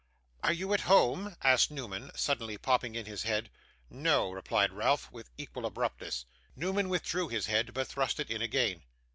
'Are you at home?' asked Newman, suddenly popping in his head. 'No,' replied Ralph, with equal abruptness. Newman withdrew his head, but thrust it in again.